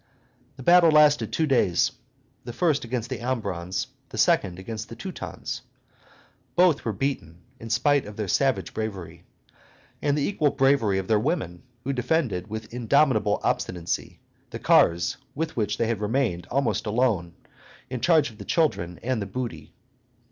The battle lasted two days, the first against the Ambrons, the second against the Teutons. Both were beaten, in spite of their savage bravery, and the equal bravery of their women, who defended, with indomitable obstinacy, the cars with which they had remained almost alone, in charge of the children and the booty.